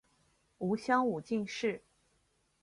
吴襄武进士。